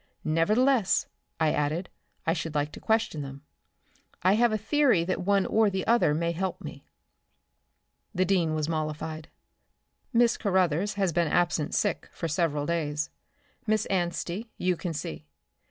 "Nevertheless," I added, "I should like to question them. I have a theory that one or the other may help me." The dean was mollified. "Miss Carothers has been absent sick for several days. Miss Anstey you can see.